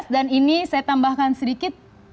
dan ini saya tambahkan sedikit